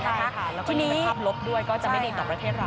ใช่ค่ะแล้วก็เป็นภาพลบก็ไม่ในต่อประเทศเรา